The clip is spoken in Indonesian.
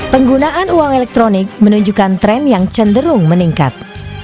penggunaan uang elektronik menunjukkan tren yang cenderung meningkat